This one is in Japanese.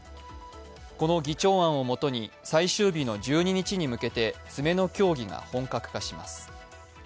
この議長案をもとに最終日の１２日に向けて詰めの協議が本格化します。